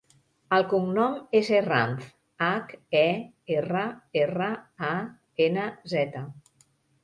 El cognom és Herranz: hac, e, erra, erra, a, ena, zeta.